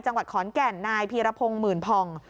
จังหวัดขอนแก่นนายพีรพงศ์หมื่นผ่อง